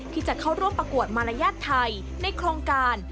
ที่จะเข้าร่วมประกวดมารยาทไทยในโครงการ